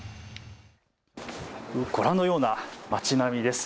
ご覧のような町並みです。